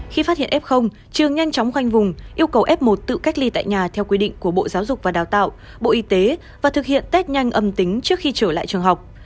khi phát hiện f trường nhanh chóng khoanh vùng yêu cầu f một tự cách ly tại nhà theo quy định của bộ giáo dục và đào tạo bộ y tế và thực hiện test nhanh âm tính trước khi trở lại trường học